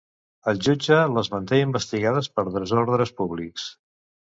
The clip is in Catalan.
El jutge les manté investigades per desordres públics.